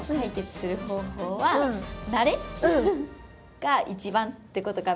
が一番ってことかな。